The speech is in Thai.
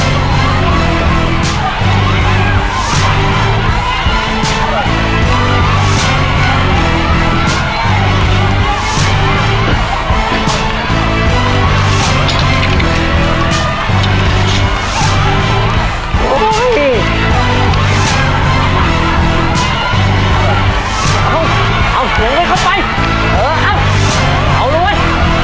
เอาหวังด้วยเข้าไปอะเอาเอาด้วย